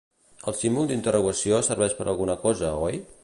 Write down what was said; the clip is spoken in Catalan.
El símbol d'interrogació serveix per alguna cosa oi?